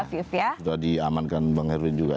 sudah diamankan bang erwin juga